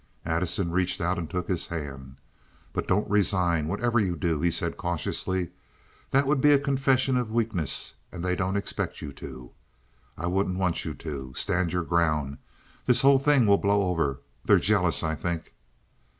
Addison reached out and took his hand. "But don't resign, whatever you do," he said, cautiously. "That would be a confession of weakness, and they don't expect you to. I wouldn't want you to. Stand your ground. This whole thing will blow over. They're jealous, I think."